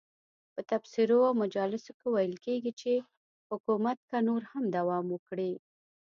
په تبصرو او مجالسو کې ویل کېږي چې حکومت که نور هم دوام وکړي.